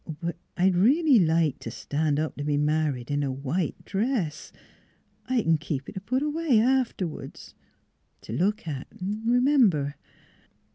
... But I I'd redly like t' stan' up t' be married in a white dress. I c'n keep it put away, afterwards t' look at, V r'member."